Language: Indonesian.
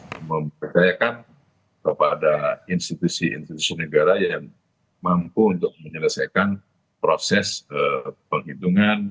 memperdayakan kepada institusi institusi negara yang mampu untuk menyelesaikan proses penghitungan